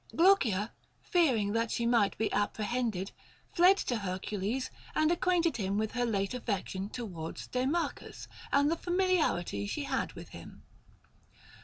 Glaucia, fearing that she might be apprehended, fled to Hercules, and ac quainted him with her late affection towards Deimachus, and the familiarity she had with him.